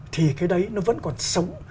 thì cái đấy nó vẫn còn sống